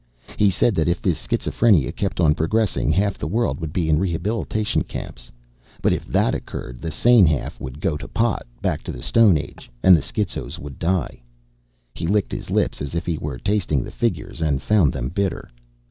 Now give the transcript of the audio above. He said that if this schizophrenia kept on progressing, half the world would be in rehabilitation camps. But if that occurred, the sane half would go to pot. Back to the stone age. And the schizos would die." He licked his lips as if he were tasting the figures and found them bitter.